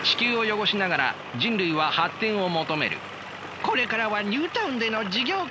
これからはニュータウンでの事業開発だ。